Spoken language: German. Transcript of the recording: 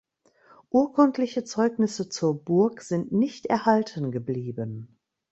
Urkundliche Zeugnisse zur Burg sind nicht erhalten geblieben.